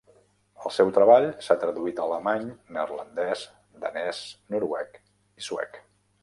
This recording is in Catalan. El seu treball s'ha traduït a alemany, neerlandès, danès, noruec i suec.